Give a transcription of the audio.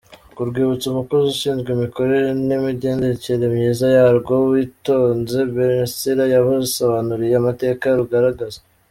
Ku rwibutso, umukozi ushinzwe imikorere n’imigendekere myiza yarwo, Uwitonze Bellancilla, yabasobanuriye amateka rugaragaza.